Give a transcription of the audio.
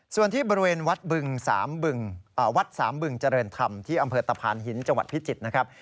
ส่วนที่บริเวณวัดบึงวัดสามบึงเจริญธรรมที่อำเภอตะพานหินจังหวัดพิจิตรนะครับ